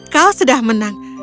kau sudah menang